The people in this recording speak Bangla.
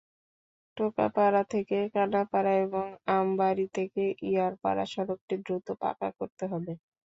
টোকাপাড়া থেকে কানাপাড়া এবং আমবাড়ী থেকে ইয়ারপাড়া সড়কটি দ্রুত পাকা করতে হবে।